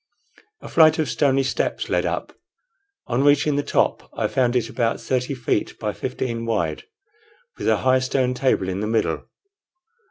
A flight of stony steps led up. On reaching the top, I found it about thirty feet long by fifteen wide, with a high stone table in the middle.